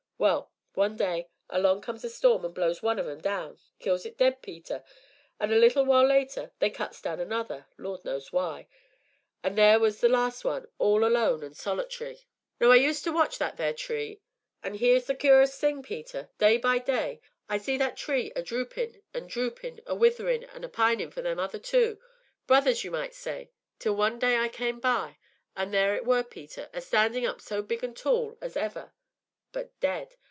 Well; one day, along comes a storm and blows one on 'em down kills it dead, Peter; an' a little while later, they cuts down another Lord knows why an' theer was the last one, all alone an' solitary. Now, I used to watch that theer tree an' here's the cur'us thing, Peter day by day I see that tree a droopin' an' droopin', a witherin' an' a pinin' for them other two brothers you might say till one day I come by, an' theer it were, Peter, a standin' up so big an' tall as ever but dead!